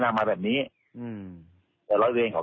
เพราะว่าตอนแรกมีการพูดถึงนิติกรคือฝ่ายกฎหมาย